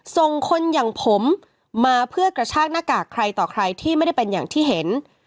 ส่งคนอย่างผมมาเพื่อกระชากหน้ากากใครต่อใครที่ไม่ได้เป็นอย่างที่เห็น